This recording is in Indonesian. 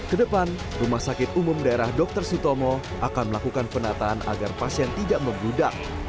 kedepan rumah sakit umum daerah dr sutomo akan melakukan penataan agar pasien tidak membludak